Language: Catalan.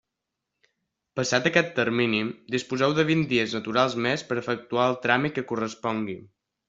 Passat aquest termini disposeu de vint dies naturals més per efectuar el tràmit que correspongui.